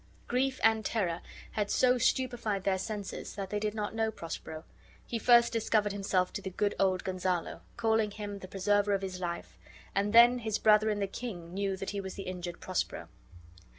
Grief and terror had so stupefied their senses that they did not know Prospero. He first discovered himself to the good old Gonzalo, calling him the preserver of his life; and then his brother and the king knew that he was the injured Prospero.